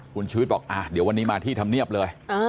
คุณชูวิทย์บอกเดี๋ยววันนี้มาที่ธรรมเนียบเลย